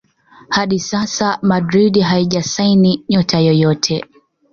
hadi sasa Madrid haijasaini nyota yeyote